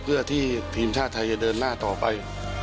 เพื่อที่ทีมชาติไทยจะเดินหน้าต่อไป